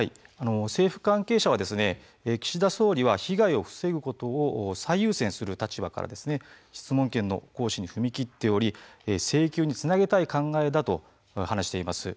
政府関係者は岸田総理は被害を防ぐことを最優先する立場から質問権の行使に踏み切っており請求につなげたい考えだと話しています。